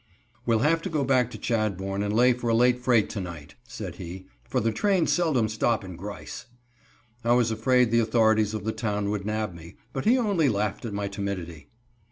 "We'll have to go back to Chadbourn and lay for a late freight to night," said he, "for the trains seldom stop in Grice." I was afraid the authorities of the town would nab me, but he only laughed at my timidity.